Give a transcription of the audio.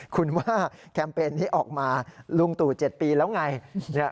คุณว่าแคมเปญนี้ออกมาลุงตู่๗ปีแล้วไง